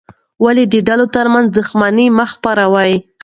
ولې د ډلو ترمنځ دښمني مه خپروې؟